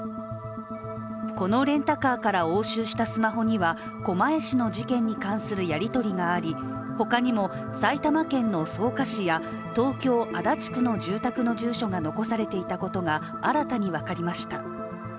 このレンタカーから押収したスマホには、狛江市の事件に関するやり取りがあり、他にも埼玉県の草加市や東京足立区の住宅の住所が残されていたことが新たに分かりました。